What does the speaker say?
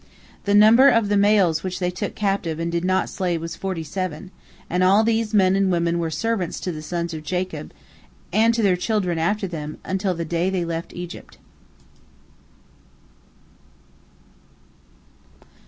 The number of the males which they took captive and did not slay was forty seven, and all these men and women were servants to the sons of Jacob, and to their children after them, until the day they left Egypt.